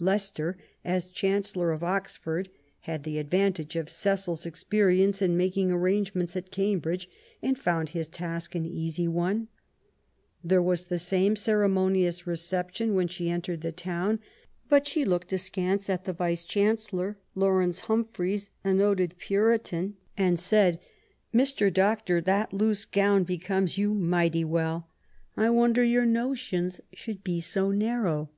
Leicester, as Chancellor of Oxford, had the advantage of Cecil's experience in making arrange ments at Cambridge, and found his task an easy one. ELIZABETH AND MARY STUART. 93 There was the same ceremonious reception when she entered the town ; but she looked askance at the Vice Chancellor, Lawrence Humphreys, a noted Puritan, and said :" Mr. Doctor, that loose gown becomes you mighty well ; I wonder your notions should be so narrow .